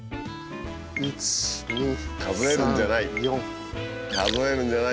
数えるんじゃない。